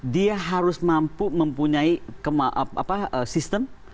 dia harus mampu mempunyai sistem